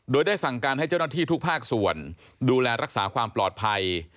โดยได้สั่งการให้เจ้าหน้าที่ทุกภาคส่วนดูแลรักษาความปลอดภัย